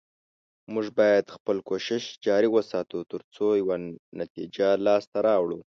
موږ باید خپل کوشش جاري وساتو، تر څو یوه نتیجه لاسته راوړو